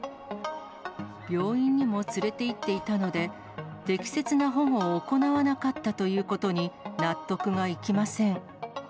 病院にも連れていっていたので、適切な保護を行わなかったということに納得がいきません。